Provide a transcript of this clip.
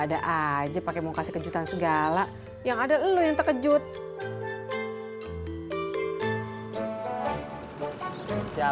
sampai jumpa di video selanjutnya